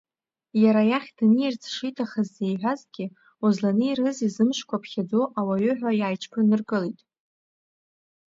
Иара иахь днеирц шиҭахыз зеиҳәазгьы, узлаизнеирызеи зымшқәа ԥхьаӡоу ауаҩы ҳәа иааиҽԥныркылеит.